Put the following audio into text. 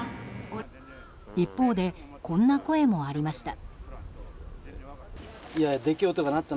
一方で、こんな声もありました。